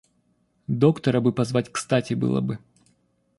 Доктора бы позвать, кстати было бы.